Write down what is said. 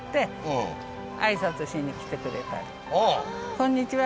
「こんにちは。